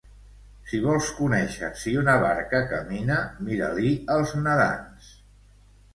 Si vols conèixer si una barca camina, mira-li els nedants.